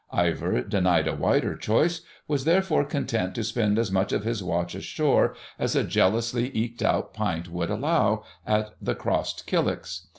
Ivor, denied a wider choice, was therefore content to spend as much of his watch ashore as a jealously eked out pint would allow, at the "Crossed Killicks."